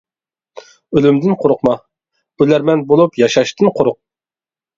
ئۆلۈمدىن قورقما، ئۆلەرمەن بولۇپ ياشاشتىن قورق.